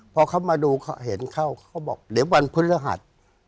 พอเขามาดูเขาเห็นเข้าเขาบอกเดี๋ยววันพฤหัส